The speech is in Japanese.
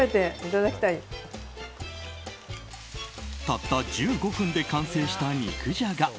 たった１５分で完成した肉じゃが。